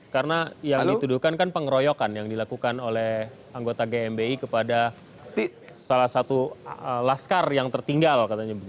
karena yang dituduhkan kan pengeroyokan yang dilakukan oleh anggota gmbh kepada salah satu laskar yang tertinggal